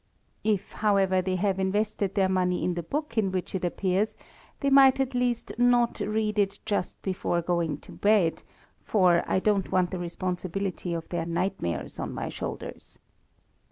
If, however, they have invested their money in the book in which it appears, they might at least not read it just before going to bed, for I don't want the responsibility of their nightmares on my shoulders.